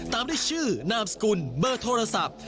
ตามด้วยชื่อนามสกุลเบอร์โทรศัพท์